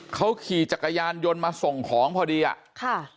เขาขี่จักรยานยนต์มาส่งของพอดีอ่ะค่ะ